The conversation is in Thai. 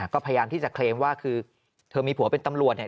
ก็พยายามที่จะเคลมว่าคือเธอมีผัวเป็นตำรวจเนี่ย